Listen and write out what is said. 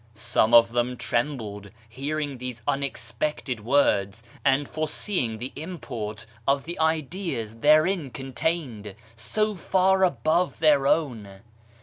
Some of them trembled hearing these unexpected words and foreseeing the import of the ideas therein contained, so far above their own.